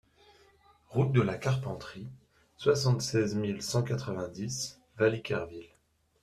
Route de la Carpenterie, soixante-seize mille cent quatre-vingt-dix Valliquerville